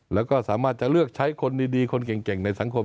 แล้วก็สามารถจะเลือกใช้คนดีคนเก่งในสังคม